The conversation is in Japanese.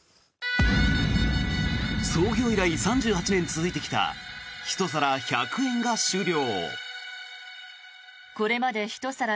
創業以来３８年続いてきた１皿１００円が終了。